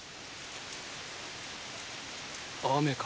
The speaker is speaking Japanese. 雨か。